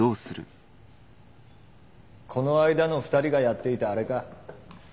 この間の２人がやっていたあれか。